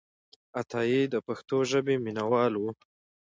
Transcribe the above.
عطایي د پښتو ژبې مینهوال و.